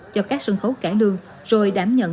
cho các sân khấu cải lương rồi đảm nhận